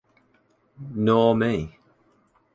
Nor me.